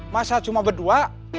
masa cuma berdua